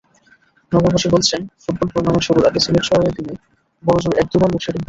নগরবাসী বলছেন, football tournament শুরুর আগে সিলেট শহরে দিনে বড়জোর এক-দুবার লোডশেডিং হতো।